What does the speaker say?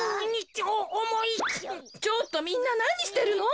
ちょっとみんななにしてるの？